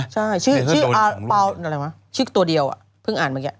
ใช่ชื่อตัวเดียวเพิ่งอ่านเมื่อกี้